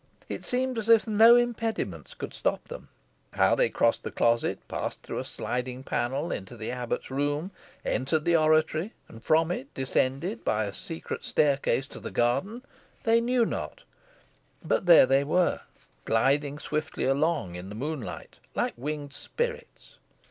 It seemed as if no impediments could stop them; how they crossed the closet, passed through a sliding panel into the abbot's room, entered the oratory, and from it descended, by a secret staircase, to the garden, they knew not but there they were, gliding swiftly along in the moonlight, like winged spirits.